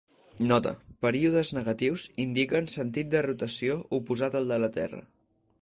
Nota: períodes negatius indiquen sentit de rotació oposat al de la Terra.